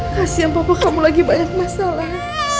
kasian papa kamu lagi banyak masalah